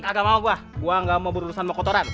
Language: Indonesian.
kagak mau gua gua nggak mau berurusan mau kotoran